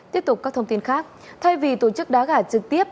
tiếp tục các thông tin khác thay vì tổ chức đá gà trực tiếp